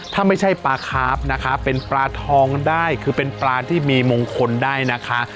ถ้าไม่ใช่ปลาคาร์ฟนะคะเป็นปลาทองได้คือเป็นปลาที่มีมงคลได้นะคะ